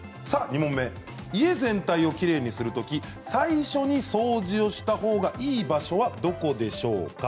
家全体をきれいにするとき最初から掃除するほうがいい場所はどこでしょうか。